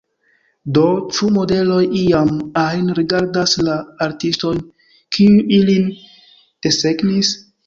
Do, ĉu modeloj iam ajn rerigardas la artistojn, kiuj ilin desegnis?